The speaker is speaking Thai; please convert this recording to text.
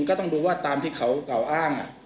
ก็ต้องดูว่าตามที่เขากล่าวอ้าง